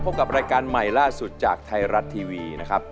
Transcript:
กับรายการใหม่ล่าสุดจากไทยรัฐทีวีนะครับ